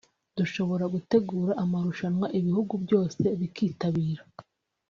dushobora gutegura amarushanwa ibihugu byose bikitabira